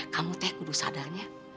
kamu teh kudusadarnya